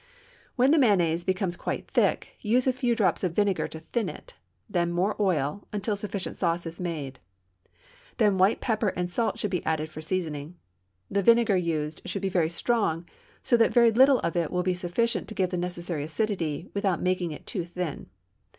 When the mayonnaise becomes quite thick, use a few drops of vinegar to thin it; then more oil, until sufficient sauce is made. Then white pepper and salt should be added for seasoning. The vinegar used should be very strong, so that very little of it will be sufficient to give the necessary acidity, without making it too thin.